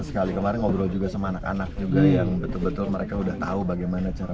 sekali kemarin ngobrol juga sama anak anak juga yang betul betul mereka udah tahu bagaimana cara